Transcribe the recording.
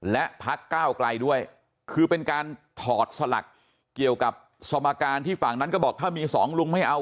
และพักก้าวไกลด้วยคือเป็นการถอดสลักเกี่ยวกับสมการที่ฝั่งนั้นก็บอกถ้ามีสองลุงไม่เอา